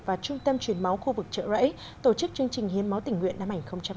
và trung tâm truyền máu khu vực chợ rẫy tổ chức chương trình hiến máu tỉnh nguyện năm hai nghìn hai mươi